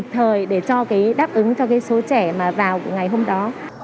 thời để cho cái đáp ứng cho cái số trẻ mà vào ngày hôm đó